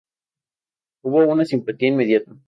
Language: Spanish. Hubo una simpatía inmediata.